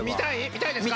見たいですか？